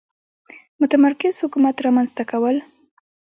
متمرکز حکومت رامنځته کول.